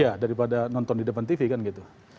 iya daripada nonton di depan tv kan gitu